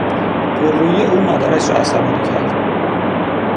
پررویی او مادرش را عصبانی کرد.